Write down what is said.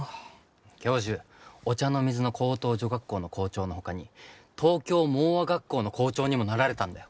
教授御茶ノ水の高等女学校の校長のほかに東京盲唖学校の校長にもなられたんだよ。